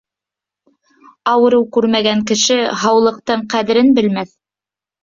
Ауырыу күрмәгән кеше һаулыҡтың ҡәҙерен белмәҫ.